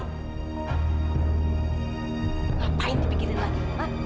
ngapain dipikirin lagi